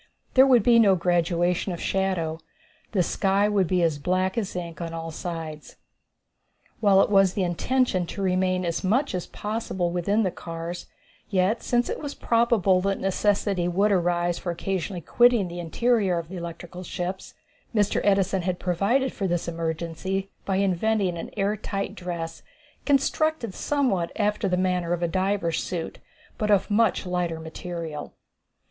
There would be no graduation of shadow. The sky would be as black as ink on all sides. While it was the intention to remain as much as possible within the cars, yet since it was probable that necessity would arise for occasionally quitting the interior of the electrical ships, Mr. Edison had provided for this emergency by inventing an air tight dress constructed somewhat after the manner of a diver's suit, but of much lighter material.